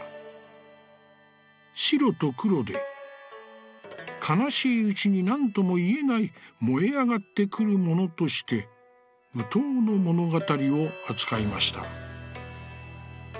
白と黒で、悲しいうちに何ともいえないもえあがってくるものとして、善知鳥の物語を扱いました」。